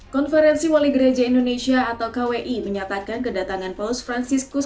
konferensi wali gereja indonesia atau kwi menyatakan kedatangan paus franciscus